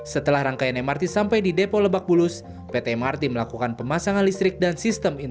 setelah rangkaian mrt sampai di depo lebak bulus pt mrt melakukan pemasangan listrik dan sistem